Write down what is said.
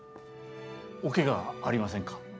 おケガはありませんか？